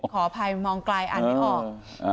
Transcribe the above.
ขออภัยมองไกลอ่านไม่ออก